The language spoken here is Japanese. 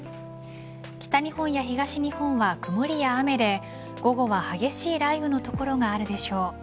北日本や東日本は曇りや雨で午後は激しい雷雨の所があるでしょう。